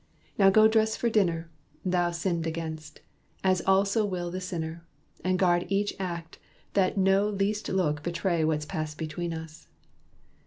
Now go dress for dinner, Thou sinned against! as also will the sinner. And guard each act, that no least look betray What's passed between us."